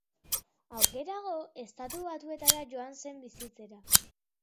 Aurrerago, Estatu Batuetara joan zen bizitzera.